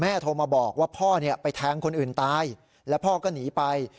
โทรมาบอกว่าพ่อไปแทงคนอื่นตายแล้วพ่อก็หนีไป